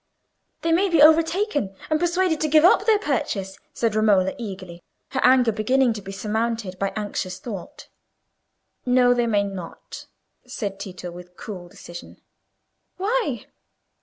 "They may be overtaken and persuaded to give up their purchase," said Romola, eagerly, her anger beginning to be surmounted by anxious thought. "No, they may not," said Tito, with cool decision. "Why?"